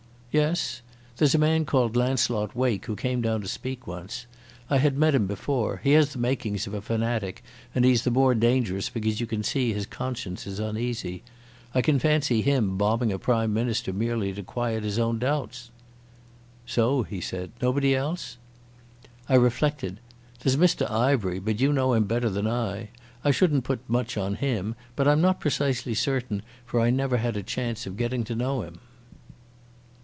"Yes. There's a man called Launcelot Wake, who came down to speak once. I had met him before. He has the makings of a fanatic, and he's the more dangerous because you can see his conscience is uneasy. I can fancy him bombing a Prime Minister merely to quiet his own doubts." "So," he said. "Nobody else?" I reflected. "There's Mr Ivery, but you know him better than I. I shouldn't put much on him, but I'm not precisely certain, for I never had a chance of getting to know him."